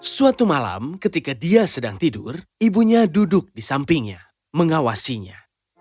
suatu malam ketika dia sedang tidur ibunya duduk di sampingnya mengawasinya